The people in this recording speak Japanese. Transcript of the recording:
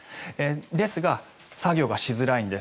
ですが、作業がしづらいんです。